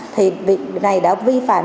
thì việc này đã vi phạm